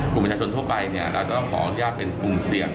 ปรุงประชาชนทั่วไปเราจะต้องขออนุญาตเป็นภูมิเสี่ยง